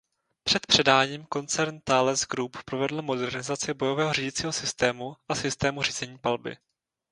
Před předáním koncern Thales Group provedl modernizaci bojového řídícího systému a systému řízení palby.